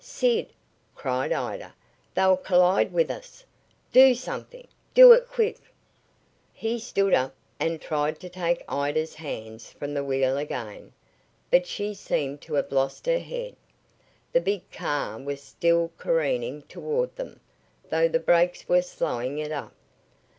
"Sid," cried Ida, "they'll collide with us! Do something! Do it quick!" He stood up and tried to take Ida's hands from the wheel again, but she seemed to have lost her head. The big car was still careening toward them, though the brakes were slowing it up.